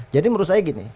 jadi menurut saya gini